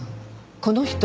この人。